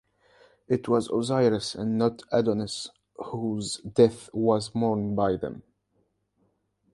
It was Osiris and not Adonis whose death was mourned by them.